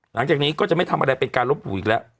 หลังจากนี้ก็จะไม่ทำอะไรเป็นการลบหลู่อีกแล้ว